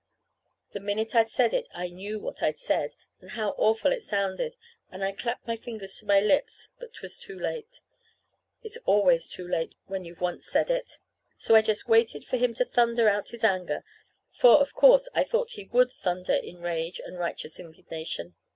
The minute I'd said it I knew what I'd said, and how awful it sounded; and I clapped my fingers to my lips. But 'twas too late. It's always too late, when you've once said it. So I just waited for him to thunder out his anger; for, of course, I thought he would thunder in rage and righteous indignation.